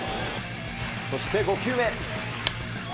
そして５球目。